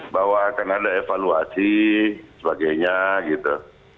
bahwa akan ada evaluasi sebagainya gitu